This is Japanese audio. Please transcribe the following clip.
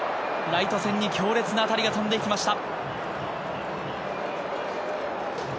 ライト線に強烈な当たりが飛んで行きました。